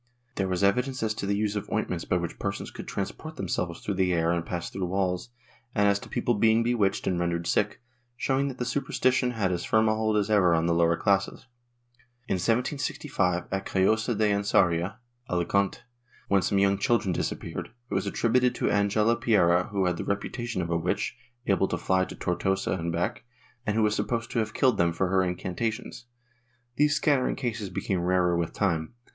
There was evidence as to the use of ointments by which persons could transport themselves through the air and pass through walls, and as to people being bewitched and rendered sick, showing that the superstition had as firm a hold as ever on the lower classes.^ In 1765, at Callosa de Ensarria (Alicante) when some young children disappeared, it was attril)uted to Angela Piera who had 'the reputation of a witch, able to fly to Tortosa and l)ack, and who was supposed to have killed them for her incan tations.'' These scattering cases become rarer with time.